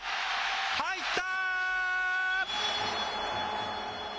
入った！